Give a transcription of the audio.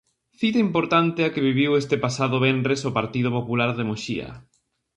Cita importante a que viviu este pasado venres o Partido Popular de Muxía.